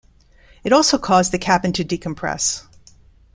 It also caused the cabin to decompress.